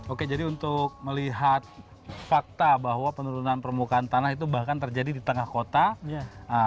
oke jadi untuk melihat fakta bahwa penurunan permukaan tanah itu bahkan terjadi di tengah kota